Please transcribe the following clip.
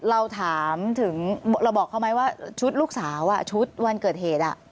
เราถามถึงเราบอกเขาไหมว่าชุดลูกสาวชุดวันเกิดเหตุ